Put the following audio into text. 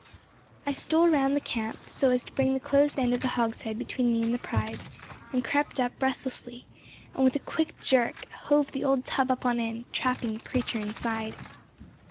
I stole round the camp, so as to bring the closed end of the hogshead between me and the prize, crept up breathlessly, and with a quick jerk hove the old tub up on end, trapping the creature inside.